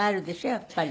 やっぱり。